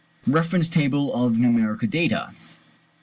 REFERENCE TABLE OF NUMERICAL DATA.